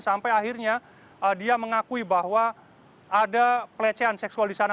sampai akhirnya dia mengakui bahwa ada pelecehan seksual di sana